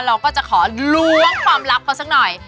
เราก็จะขอล้วงความลับเขาสักหน่อย